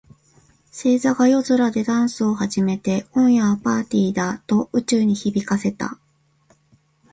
星座が夜空でダンスを始めて、「今夜はパーティーだ！」と宇宙に響かせた。